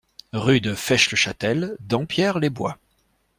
Rue de Fesches-le-Chatel, Dampierre-les-Bois